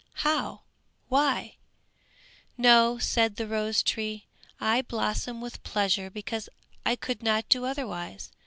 How? Why?" "No," said the rose tree, "I blossom with pleasure because I could not do otherwise.